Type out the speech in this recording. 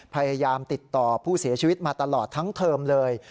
พยายามติดต่อผู้เสียชีวิตมาตลอดทั้งเทอมเลย